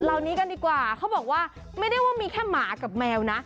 เหล่านี้กันดีกว่าเขาบอกว่าไม่ได้ว่ามีแค่หมากับแมวนะ